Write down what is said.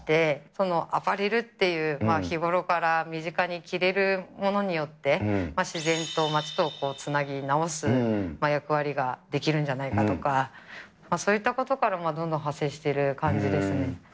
そのアパレルっていう日頃から身近に着れるものによって自然と街とをつなぎ直す役割ができるんじゃないかとか、そういったことから、どんどん派生している感じですね。